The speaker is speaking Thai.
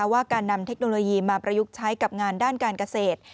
ว่าการนำเทคโนโลยีมาประยุกต์ใช้กับงานด้านการเกษตร